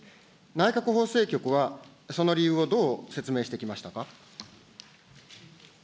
内閣法制局は、その理由をどう説明してきましたか。